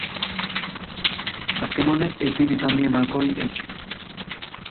Azken honek ezin izan die malkoei eutsi.